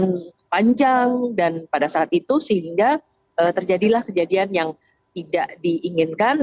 dan panjang dan pada saat itu sehingga terjadilah kejadian yang tidak diinginkan